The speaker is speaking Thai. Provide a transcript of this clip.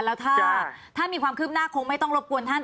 แล้วถ้ามีความคืบหน้าคงไม่ต้องรบกวนท่าน